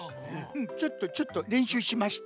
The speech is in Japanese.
うんちょっとちょっとれんしゅうしました。